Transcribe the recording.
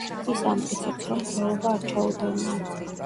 ის ამტკიცებს, რომ მკვლელობა არ ჩაუდენია.